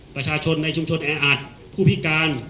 ประชาชนในชุมชนแออัดผู้พิการ